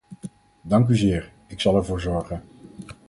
Dank u zeer, ik zal ervoor zorgen.